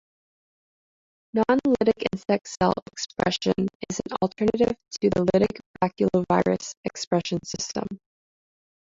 Non-lytic insect cell expression is an alternative to the lytic baculovirus expression system.